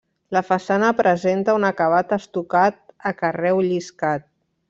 La façana presenta un acabat estucat a carreu lliscat.